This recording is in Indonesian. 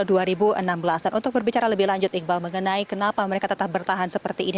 dan untuk berbicara lebih lanjut iqbal mengenai kenapa mereka tetap bertahan seperti ini